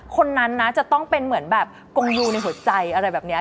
คนนั้นนะจะต้องเป็นเหมือนแบบกงยูในหัวใจอะไรแบบนี้